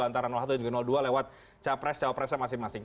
antara satu dan dua lewat cawapres cawapresnya masing masing